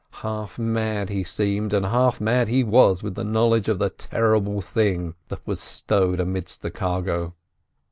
Half mad he seemed, and half mad he was with the knowledge of the terrible thing that was stowed amidst the cargo.